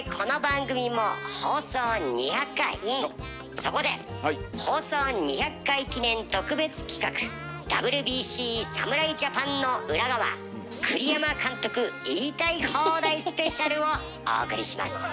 そこで放送２００回記念特別企画「ＷＢＣ侍ジャパンの裏側栗山監督言いたい放題スペシャル」をお送りします。